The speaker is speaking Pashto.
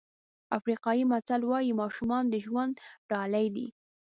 افریقایي متل وایي ماشومان د ژوند ډالۍ دي.